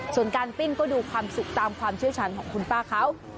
ส่วนการปิ้งก็ดูความสุขตามความเชี่ยวชาญของคุณป้าเขา